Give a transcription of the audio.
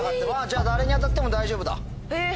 じゃあ誰に当たっても大丈夫だ。